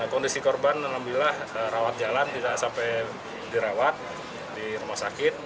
kondisi korban alhamdulillah rawat jalan tidak sampai dirawat di rumah sakit